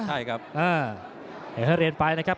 เดี๋ยวให้เรียนไปนะครับ